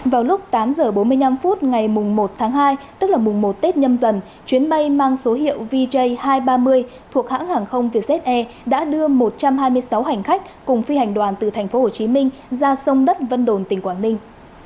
vào lúc tám h bốn mươi năm phút ngày một tháng hai tức là mùng một tết nhâm dần chuyến bay mang số hiệu vj hai trăm ba mươi thuộc hãng hàng không vietjet air đã đưa một trăm hai mươi sáu hành khách cùng phi hành đoàn từ tp hcm ra sông đất vân đồn tỉnh quảng ninh